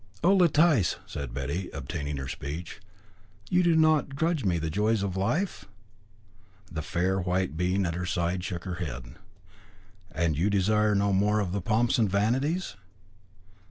"Oh, Letice," said Betty, obtaining her speech, "you do not grudge me the joys of life?" The fair white being at her side shook her head. "And you desire no more of the pomps and vanities?"